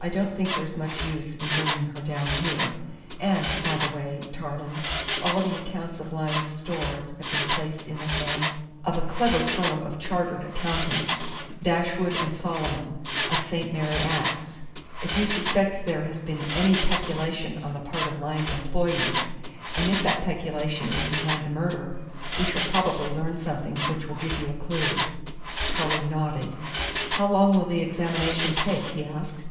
I don't think there's much use in bringing her down here. And, by the way, Tarling, all the accounts of Lyne's Stores have been placed in the hands of a clever firm of chartered accountants Dashwood and Solomon, of St. Mary Axe. If you suspect there has been any peculation on the part of Lyne's employees, and if that peculation is behind the murder, we shall probably learn something which will give you a clue." Tarling nodded. "How long will the examination take?" he asked.